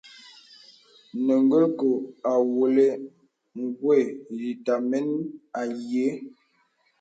Nə̀ golkō awōlə̀ gwe yǐtə̄meŋ a nyēē.